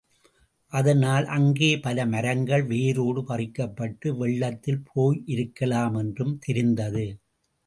அதனால் அங்கே பல மரங்கள் வேரோடு பறிக்கப்பட்டு வெள்ளத்தில் போயிருக்கலாமென்றும் தெரிந்தது.